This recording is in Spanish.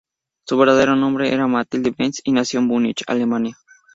Su verdadero nombre era Mathilde Benz, y nació en Munich, Alemania.